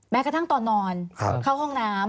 กระทั่งตอนนอนเข้าห้องน้ำ